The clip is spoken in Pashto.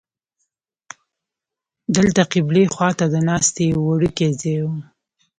دلته قبلې خوا ته د ناستې یو وړوکی ځای و.